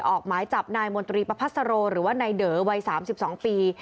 ออกหมายจับนายมนตรีประพัสโรหรือว่านายเด๋อวัย๓๒ปี